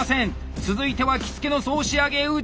続いては着付の総仕上げ打掛。